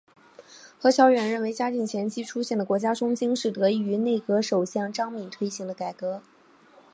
何乔远认为嘉靖前期出现的国家中兴是得益于内阁首辅张璁推行的改革。